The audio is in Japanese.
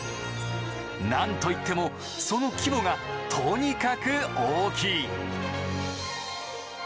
何といってもその規模がとにかく大きい！